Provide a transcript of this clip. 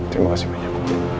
terima kasih banyak